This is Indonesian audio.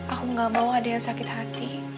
aku gak mau ada yang sakit hati